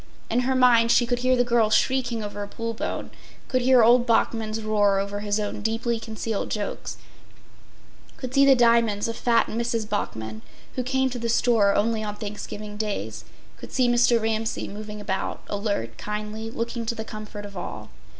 In her mind she could hear the girls shrieking over a pull bone, could hear old Bachman’s roar over his own deeply concealed jokes, could see the diamonds of fat Mrs. Bachman, who came to the store only on Thanksgiving days, could see Mr. Ramsay moving about, alert, kindly, looking to the comfort of all.